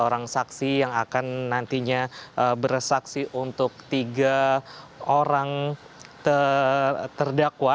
dua orang saksi yang akan nantinya bersaksi untuk tiga orang terdakwa